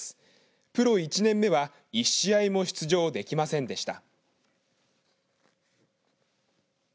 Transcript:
プロ１年目は１試合も出場できませんでした。